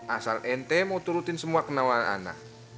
asal ente mau turutin semua kenangan ana